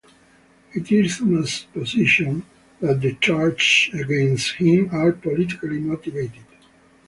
It is Zuma's position that the charges against him are politically motivated.